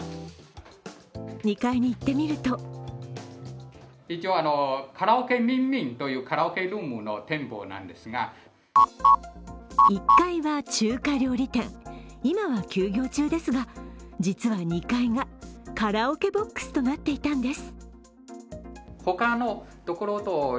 ２階に行ってみると１階は中華料理店、今は休業中ですが、実は２階がカラオケボックスとなっていたんです。